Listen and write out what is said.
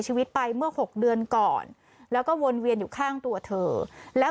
ชีวิตไปเมื่อ๖เดือนก่อนแล้วก็วนเวียนอยู่ข้างตัวเธอแล้ว